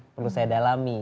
perlu saya dalami